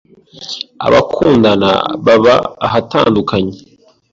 Abakundana baba ahatandukanye